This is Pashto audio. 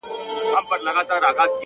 د ميني شر نه دى چي څوك يې پټ كړي.!